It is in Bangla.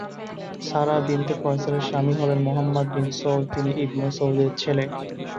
সারাহ বিনতে ফয়সালের স্বামী হলেন মোহাম্মদ বিন সৌদ, তিনি ইবনে সৌদের ছেলে।